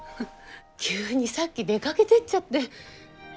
急にさっき出かけてっちゃって。